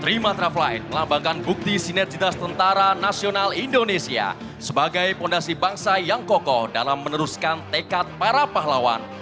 terima traflite melambangkan bukti sinerjitas tentara nasional indonesia sebagai fondasi bangsa yang kokoh dalam meneruskan tekat para pahlawan